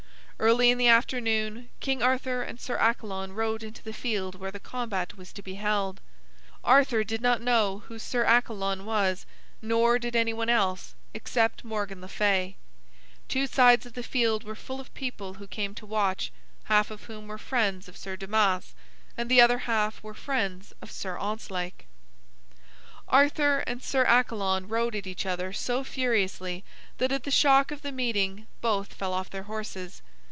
Early in the afternoon, King Arthur and Sir Accalon rode into the field where the combat was to be held. Arthur did not know who Sir Accalon was, nor did any one else, except Morgan le Fay. Two sides of the field were full of people who came to watch, half of whom were friends of Sir Damas, and the other half were friends of Sir Ontzlake. Arthur and Sir Accalon rode at each other so furiously that at the shock of the meeting both fell off their horses.